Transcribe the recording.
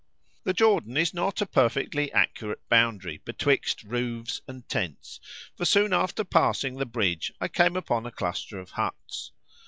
The Jordan is not a perfectly accurate boundary betwixt roofs and tents, for soon after passing the bridge I came upon a cluster of huts.